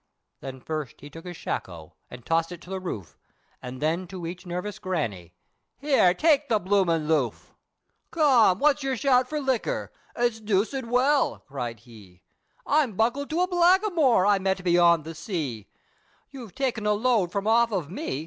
Then first he took his shako, and tossed it to the roof, Then to each nervous grannie, "Here take the bloomin' loof." "Come, wots yer shout for liquor? It's dooced well!" cried he, "I'm buckled to a blackimoor, I met beyond the sea, "You've taken a load from off of me!